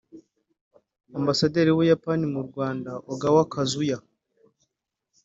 Ambasaderi w’u Buyapani mu Rwanda Ogawa Kazuya